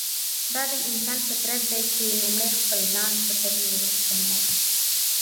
دا د انسان فطرت دی چې لومړی خپل ځان پټوي ورسته نور.